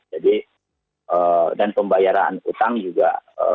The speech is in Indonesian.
jadi dan pembayaran utang juga